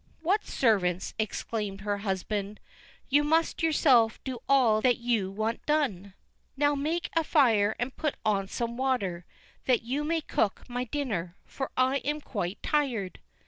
"What servants?" exclaimed her husband. "You must yourself do all that you want done. Now make a fire and put on some water, that you may cook my dinner, for I am quite tired."